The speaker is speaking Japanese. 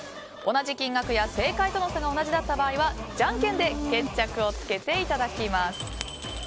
同じ金額や、正解との差が同じだった場合は、じゃんけんで決着をつけていただきます。